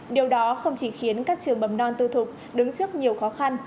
điều đó không chỉ khiến các trường bầm non tư thuộc đứng trước nhiều khó khăn